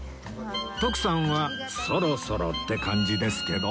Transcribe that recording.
徳さんはそろそろって感じですけど